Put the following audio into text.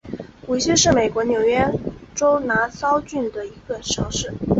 谷溪是美国纽约州拿骚郡的一个城市。